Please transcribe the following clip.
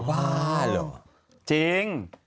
จะว่าหรอ